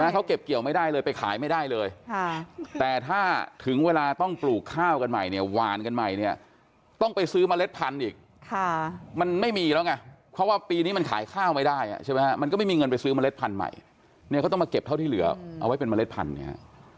เขาเกี่ยวเขากันแบบนี้แหละสมมุติ